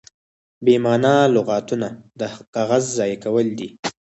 بې مانا لغتونه د کاغذ ضایع کول دي.